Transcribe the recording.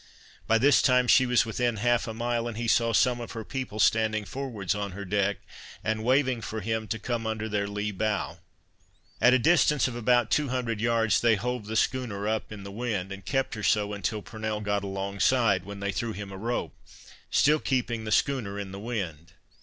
By this time she was within half a mile, and he saw some of her people standing forwards on her deck and waiving for him to come under their lee bow. At the distance of about 200 yards they hove the schooner up in the wind, and kept her so until Purnell got alongside, when they threw him a rope, still keeping the schooner in the wind.